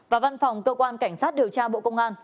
và văn phòng cơ quan cảnh sát điều tra bộ công an